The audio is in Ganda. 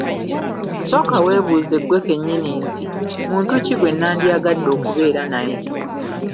Sooka weebuuze ggwe kennyini nti, “muntu ki gwe nandyagadde okubeera naye?